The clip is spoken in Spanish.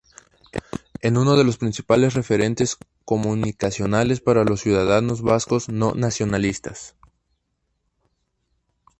Es uno de los principales referentes comunicacionales para los ciudadanos vascos no nacionalistas.